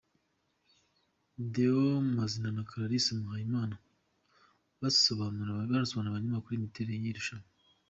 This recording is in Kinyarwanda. Deo Mazina na Clarisse Muhayimana basobanurira abanyamakuru imiterere y'iri rushanwa.